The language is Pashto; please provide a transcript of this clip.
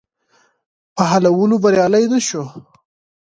په حلولو بریالی نه شو.